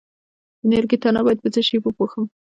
د نیالګي تنه باید په څه شي وپوښم؟